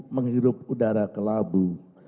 menghirup udara kelabu